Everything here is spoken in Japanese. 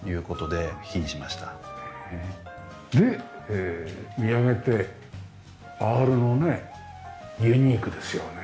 で見上げてアールもねユニークですよね。